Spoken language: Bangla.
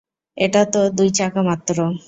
এটা তো দুই-চাকা মাত্র।